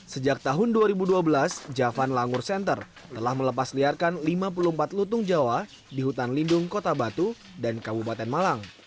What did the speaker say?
sejak tahun dua ribu dua belas javan langur center telah melepas liarkan lima puluh empat lutung jawa di hutan lindung kota batu dan kabupaten malang